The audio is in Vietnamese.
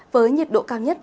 với nhiệt độ cao nhất